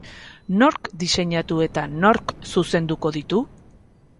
Nork diseinatu eta nork zuzenduko ditu?